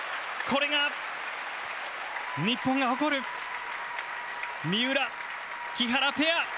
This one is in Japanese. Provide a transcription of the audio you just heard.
これが日本が誇る三浦、木原ペア！